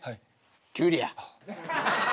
キュウリや。